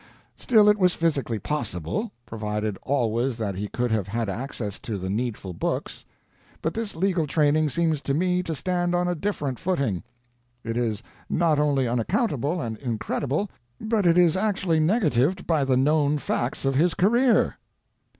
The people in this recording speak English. Still it was physically possible, provided always that he could have had access to the needful books. But this legal training seems to me to stand on a different footing. It is not only unaccountable and incredible, but it is actually negatived by the known facts of his career."